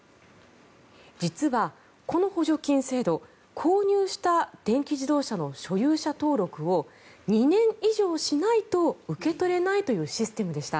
実はこの補助金制度購入した電気自動車の所有者登録を２年以上しないと受け取れないというシステムでした。